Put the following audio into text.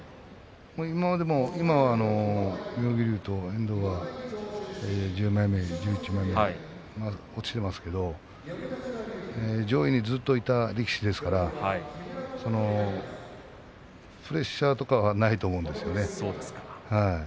妙義龍と遠藤は１０枚目、１１枚目、落ちていますけれども上位にずっといた力士ですからプレッシャーとかはないと思うんですよね。